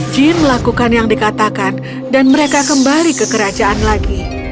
jin melakukan yang dikatakan dan mereka kembali ke kerajaan lagi